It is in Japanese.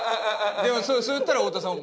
でもそれ言ったら太田さん。